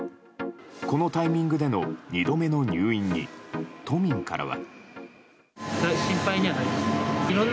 このタイミングでの２度目の入院に都民からは。